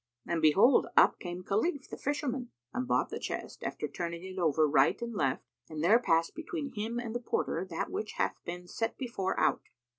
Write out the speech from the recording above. and behold, up came Khalif the Fisherman and bought the chest after turning it over right and left; and there passed between him and the porter that which hath been before set out.